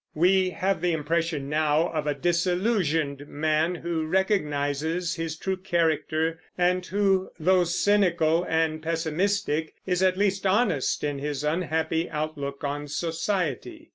We have the impression now of a disillusioned man who recognizes his true character, and who, though cynical and pessimistic, is at least honest in his unhappy outlook on society.